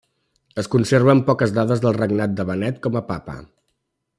Es conserven poques dades del regnat de Benet com a papa.